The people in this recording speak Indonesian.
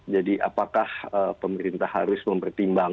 jadi apakah pemerintah harus memberikan